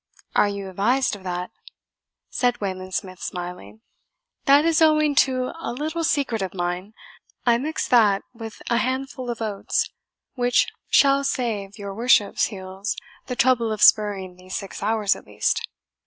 "Are you avised of that?" said Wayland Smith, smiling. "That is owing to a little secret of mine. I mixed that with an handful of oats which shall save your worship's heels the trouble of spurring these six hours at least.